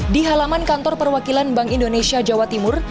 di halaman kantor perwakilan bank indonesia jawa timur